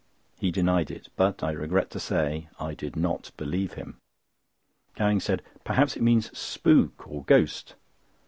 He denied it; but, I regret to say, I did not believe him. Gowing said: "Perhaps it means 'Spook,' a ghost."